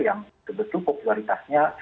yang kebetulan popularitasnya